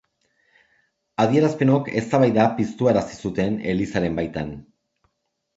Adierazpenok eztabaida piztuarazi zuten Elizaren baitan.